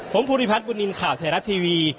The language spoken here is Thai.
ผมภูริพัฒนบุญนินทร์ข่าวไทยรัฐทีวี